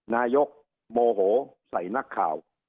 นายกบ่โหสายนักข่าว